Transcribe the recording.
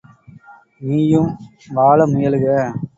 நீயும் வாழ முயலுக!